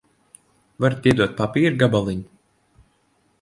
Varat iedot papīra gabaliņu?